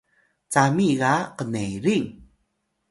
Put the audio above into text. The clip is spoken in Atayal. cami ga knerin